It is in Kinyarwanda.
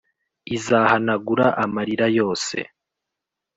Izahanagura amarira yose